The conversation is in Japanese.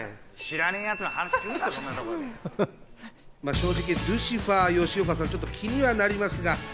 正直、ルシファー吉岡さん、気にはなりますが。